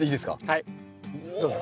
はいどうぞ。